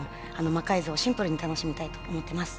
魔改造をシンプルに楽しみたいと思ってます。